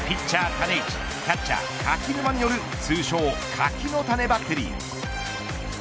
種市キャッチャー柿沼による通称柿の種バッテリー。